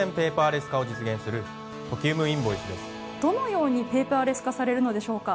どのようにペーパーレス化されるのでしょうか？